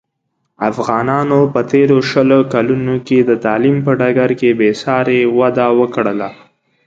افغانانو په تېرو شلو کلونوکې د تعلیم په ډګر کې بې ساري وده وکړله.